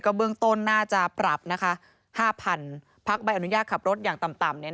ก็เบื้องต้นน่าจะปรับนะคะห้าพันธุ์พักใบอนุญาตขับรถอย่างต่ำเนี่ย